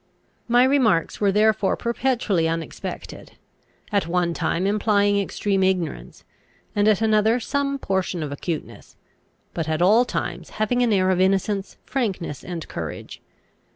My remarks were therefore perpetually unexpected, at one time implying extreme ignorance, and at another some portion of acuteness, but at all times having an air of innocence, frankness, and courage.